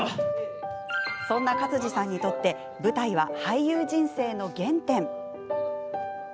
そんな勝地さんにとって舞台は俳優人生の原点。